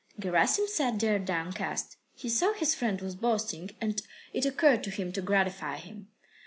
Gerasim sat there downcast. He saw his friend was boasting, and it occurred to him to gratify him.